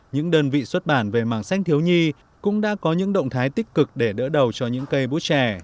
những đơn vị xuất bản về màng sách thiếu nhi cũng đã có những động thái tích cực để đỡ đầu cho những cây bút trẻ